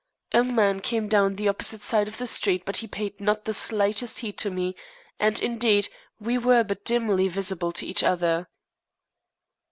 A man came down the opposite side of the street, but he paid not the slightest heed to me, and, indeed, we were but dimly visible to each other.